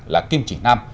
là kim chỉ nam